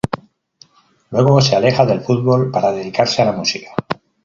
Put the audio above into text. Luego se aleja del fútbol para dedicarse a la música.